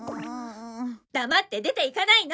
黙って出ていかないの！